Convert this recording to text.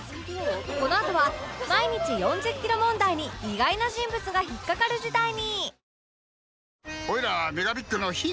このあとは毎日４０キロ問題に意外な人物が引っかかる事態に！